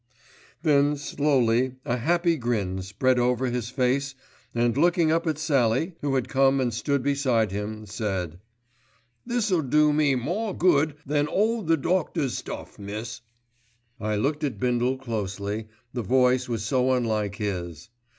Then slowly a happy grin spread over his face and looking up at Sallie, who had come and stood beside him, said, "This'll do me more good than all the doctor's stuff, miss." I looked at Bindle closely, the voice was so unlike his.